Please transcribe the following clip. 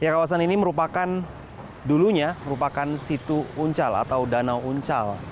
kawasan ini merupakan dulunya merupakan situ uncal atau danau uncal